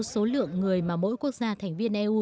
số lượng người mà mỗi quốc gia thành viên eu